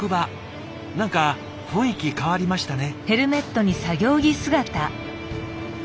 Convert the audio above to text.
何か雰囲気変わりましたね。